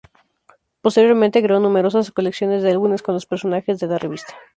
Posteriormente, creó numerosas colecciones de álbumes con los personajes de la revista.